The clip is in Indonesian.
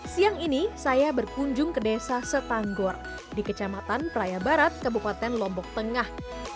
siang ini saya berkunjung ke desa setanggor di kecamatan praia barat kabupaten lombok tengah